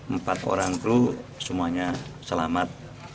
empat orang kru semuanya selamat